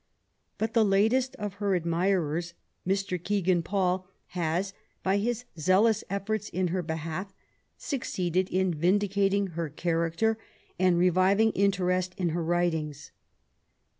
But the latest of her admirers, Mr. Kegan Paul, has, by his zealous efforts in her behalf, succeeded in vindicating her character and reviving interest in her writings.